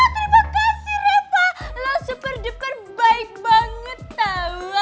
terima kasih reva lo super duper baik banget tau